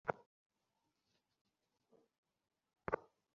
পরে সাইফুল মুঠোফোনে তাঁর কাছে তিন লাখ টাকা মুক্তিপণ দাবি করেন।